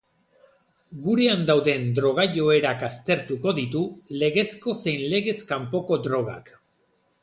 Gurean dauden droga-joerak aztertuko ditu, legezko zein legez kanpoko drogak.